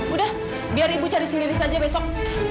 udah biar ibu cari sendiri saja besok